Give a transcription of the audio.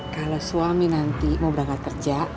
kalau suami nanti mau berangkat kerja